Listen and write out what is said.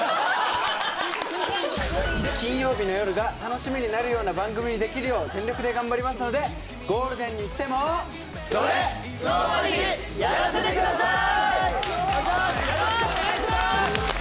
金曜日の夜が楽しみになるような番組にできるよう全力で頑張りますのでゴールデンにいっても「それＳｎｏｗＭａｎにやらせて下さい」お願いします